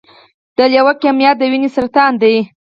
د لیوکیمیا د وینې سرطان دی.